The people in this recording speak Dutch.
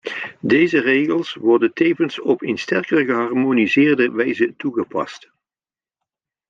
Deze regels worden tevens op een sterker geharmoniseerde wijze toegepast.